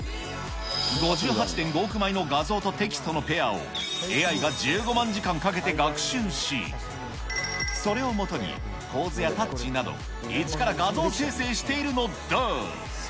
５８．５億枚の画像とテキストのペアを、ＡＩが１５万時間かけて学習し、それを基に、構図やタッチなど、一から画像生成しているのだ。